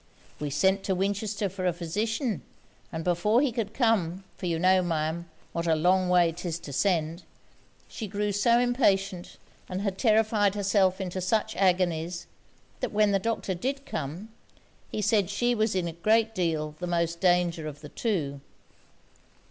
We sent to Winchester for a physician; and before he could come, for you know, Ma'am, what a long way 'tis to send, she grew so impatient, and had terrified herself into such agonies, that when the doctor did come, he said she was in a great deal the most danger of the two.